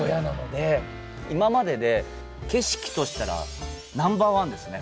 今までで景色としたらナンバーワンですね